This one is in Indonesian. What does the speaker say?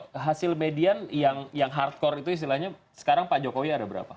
nah hasil median yang hardcore itu istilahnya sekarang pak jokowi ada berapa